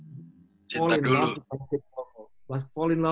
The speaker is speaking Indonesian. mencintaimu dengan bola bola